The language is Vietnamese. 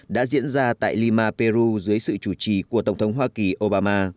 đã diễn ra tại lima peru dưới sự chủ trì của tổng thống hoa kỳ obama